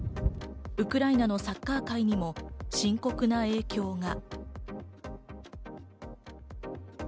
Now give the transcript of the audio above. ウクライナのサッカー界にも深刻な影響が。